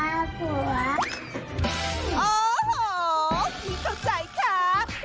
โอ้โฮไม่เข้าใจค่ะ